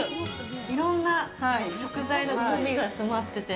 いろんな食材のうまみが詰まってて。